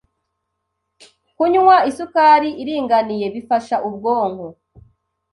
Kunywa isukari iringaniye bifasha ubwonko